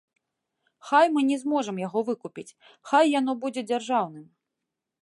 Хай мы не зможам яго выкупіць, хай яно будзе дзяржаўным.